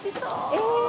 え！